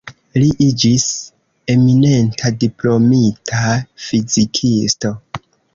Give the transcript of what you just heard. Li iĝis eminenta diplomita fizikisto.